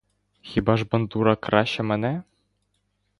Хіба ж бандура краща мене?